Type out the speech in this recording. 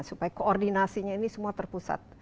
supaya koordinasinya ini semua terpusat